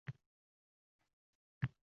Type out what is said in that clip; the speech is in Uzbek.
Biz ham chipta sotib pul olishimiz mumkin edi.